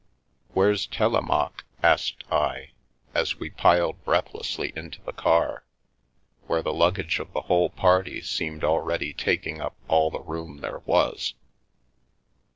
" Where's Telemaque ?" asked I, as we piled breath lessly into the car, where the luggage of the whole party seemed already taking up all the room there was.